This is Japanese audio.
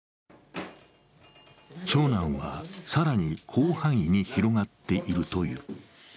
長男は、更に広範囲に広がっているという。